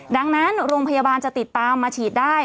ดังนั้นโรงพยาบาลจะติดตามมาฉีดได้